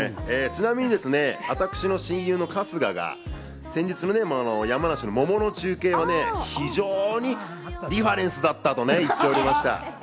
ちなみに私の親友・春日が先日、山梨の桃の中継を非常にリファレンスだったと言ってました。